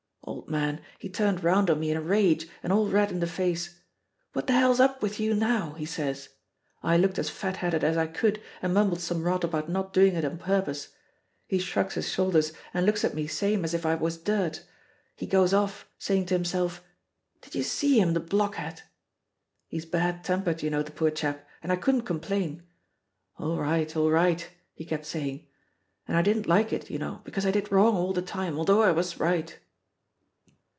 Old man, he turned round on me in a rage and all red in the face, 'What the hell's up with you now?' he says. I looked as fat headed as I could, and mumbled some rot about not doing it on purpose. He shrugs his shoulders, and looks at me same as if I was dirt. He goes off, saying to himself, 'Did you see him, the blockhead?' He's bad tempered, you know, the poor chap, and I couldn't complain. 'All right, all right,' he kept saying; and I didn't like it, you know, because I did wrong all the time, although I was right."